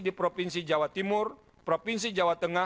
di provinsi jawa timur provinsi jawa tengah